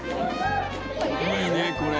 いいねこれ。